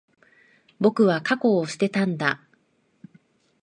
僕は、過去を捨てたんだ。